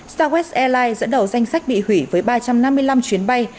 starwest airlines dẫn đầu danh sách bị hủy với ba trăm năm mươi năm chuyến bay